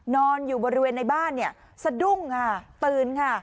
นอนอยู่บริเวณในบ้านเนี่ยสะดุ้งค่ะตื่นค่ะ